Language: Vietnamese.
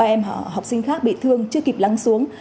ba em học sinh khác bị thương chưa kịp lắng xuống